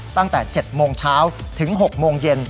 ตั้งแต่๗โมงเช้าถึง๖โมงเย็น